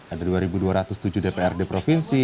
ada dua dua ratus tujuh dprd provinsi